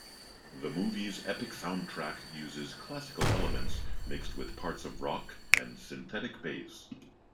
The movie's epic soundtrack uses classical elements mixed with parts of rock and synthetic bass.